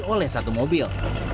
oleh satu mobil